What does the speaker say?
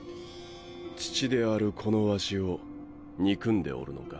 父であるこのワシを憎んでおるのか？